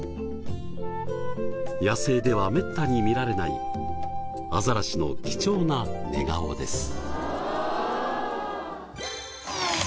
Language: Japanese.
野生ではめったに見られないアザラシの貴重な寝顔です。